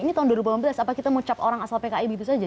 ini tahun dua ribu lima belas apa kita mau cap orang asal pki begitu saja